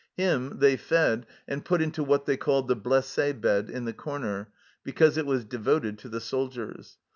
Him they fed and put into what they called the " blessd bed " in the corner, because it was devoted to the soldiers.